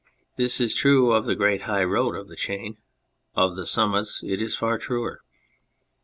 This is true of the great high road across the chain, of the summits it is far truer.